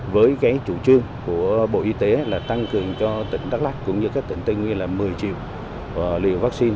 với chủ trương của bộ y tế là tăng cường cho tỉnh đắk lắc cũng như các tỉnh tây nguyên là một mươi triệu liều vaccine